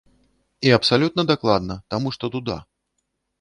І абсалютна дакладна, таму што дуда.